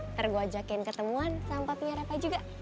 ntar gue ajakin ketemuan sama papinya reva juga